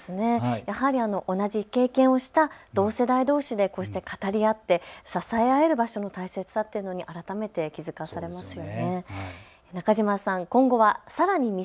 やはり同じ経験をした同世代どうしでこうした語り合って支え合える場所の大切さっていうのに改めて気づかされますよね。